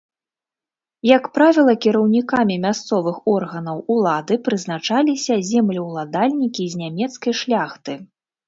Як правіла, кіраўнікамі мясцовых органаў улады прызначаліся землеўладальнікі з нямецкай шляхты.